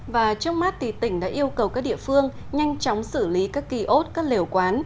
và trước mắt tỉnh đã yêu cầu các địa phương nhanh chóng xử lý các kỳ ốt các liều quán